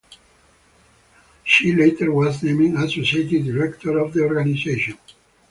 She later was named Associate Director of the organization.